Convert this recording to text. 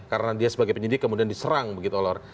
karena dia sebagai penyidik kemudian diserang begitu lho